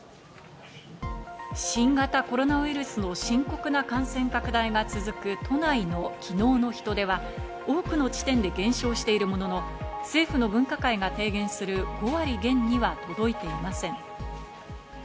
新型コロナウイルスの深刻な感染拡大が続く都内の昨日の人出は、多くの地点で減少しているものの、政府の分科会が提言する５割減には届いていません。